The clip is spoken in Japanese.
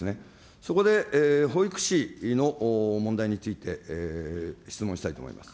そこで保育士の問題について質問したいと思います。